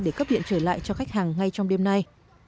để cấp điện trở lại cho khách hàng ngay trong đêm nay